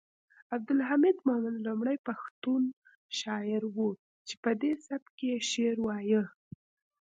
عبدالحمید مومند لومړی پښتون شاعر و چې پدې سبک یې شعر وایه